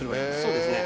そうですね